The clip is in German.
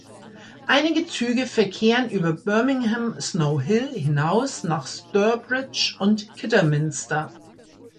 Einige Züge verkehren über Birmingham Snow Hill hinaus nach Stourbridge und Kidderminster.